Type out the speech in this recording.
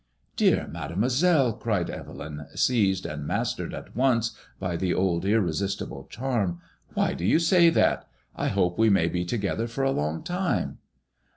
Dear Mademoiselle, cried Evelyn, seized and mastered at once by the old irresistible charm, why do you say that 7 I hope we may be together for a long time."